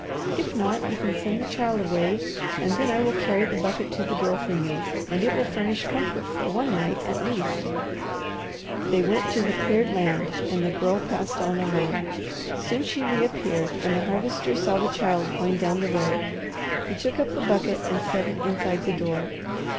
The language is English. If not, you can send the child away, and then I will carry the bucket to the door for you, and it will furnish comfort for one night, at least." They went to the cleared land and the Girl passed on alone. Soon she reappeared and the Harvester saw the child going down the road. He took up the bucket and set it inside the door.